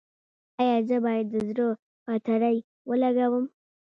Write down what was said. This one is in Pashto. ایا زه باید د زړه بطرۍ ولګوم؟